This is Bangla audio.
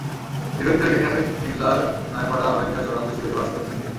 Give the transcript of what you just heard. দীর্ঘদিন ধরে টেকনাফের হ্নীলার নয়াপাড়া রোহিঙ্গা শরণার্থী শিবিরে বাস করছেন তিনি।